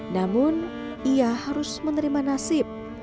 namun ia harus menerima nasib